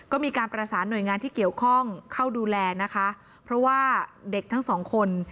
ก็มีการประสานหน่วยงานที่เกี่ยวข้องเข้าดูแลนะคะเพราะว่าเด็กทั้งสองคน